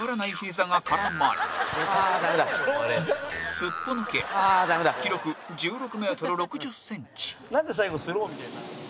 すっぽ抜け記録、１６ｍ６０ｃｍ山崎：なんで最後、スローみたいに。